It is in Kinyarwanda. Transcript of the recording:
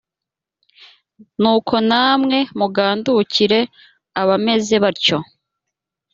nuko namwe mugandukire abameze batyo